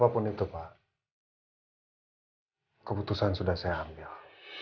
keputusan itu pak keputusan sudah saya ambil